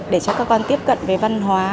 để cho các con tiếp cận với văn hóa